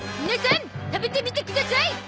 皆さん食べてみてください！